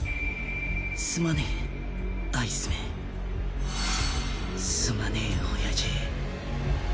すまねえアイスメンすまねえ親父。